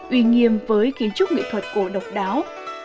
uy nghiêm với kiến trúc nghệ thuật cổ độc đáo